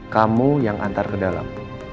kamu yang antar ke dalam